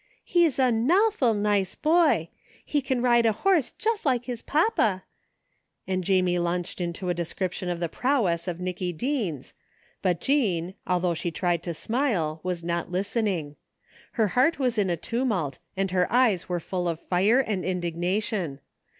" He's a nawful nice boy. He can ride a horse just like his papa " and Jamie laimched into a description of the prowess of Nicky Deens, but Jean, although she tried to smile, was not listening. Her heart was in a tumult and her eyes were full of fire and indignation.